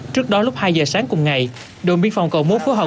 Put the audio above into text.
trước đó lúc hai giờ sáng cùng ngày đội biên phòng cầu mốt phối hợp